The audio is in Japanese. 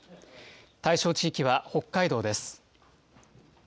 対象地域は北海道です。